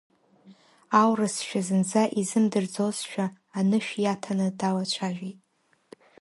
Аурысшәа зынӡа изымдырӡозшәа, анышә иаҭаны далацәажәеит…